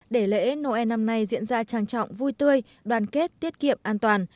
để lễ noel năm nay diễn ra trang trọng vui tươi đoàn kết tiết kiệm an toàn